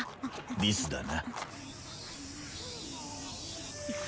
リスだな。